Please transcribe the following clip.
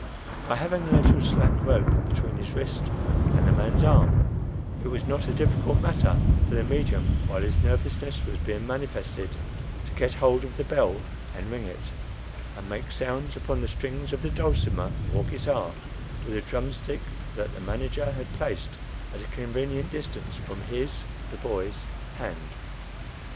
By having a little slack rope between his wrist and the man's arm, it was not a difficult matter for the medium, while his "nervousness" was being manifested, to get hold of the bell and ring it, and to make sounds upon the strings of the dulcimer or guitar, with a drumstick that the "manager" had placed at a convenient distance from his (the boy's) hand.